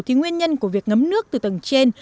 thì nguyên nhân của việc ngấm nước từ tầng trên